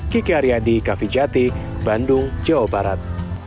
kiki aryadi kavijati bandung jawa barat